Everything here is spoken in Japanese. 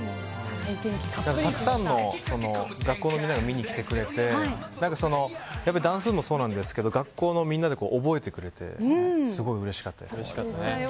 たくさんの学校のみんなが見に来てくれてダンス部もそうなんですけど学校のみんなで覚えてくれてすごいうれしかったです。